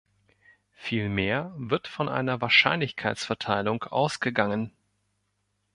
Vielmehr wird von einer Wahrscheinlichkeitsverteilung ausgegangen.